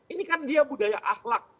ini kan dia budaya akhlak